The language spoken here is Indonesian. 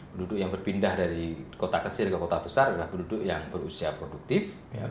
penduduk yang berpindah dari kota kecil ke kota besar adalah penduduk yang berusia produktif